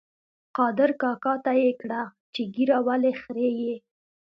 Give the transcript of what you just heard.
قادر کاکا ته یې کړه چې ږیره ولې خرېیې؟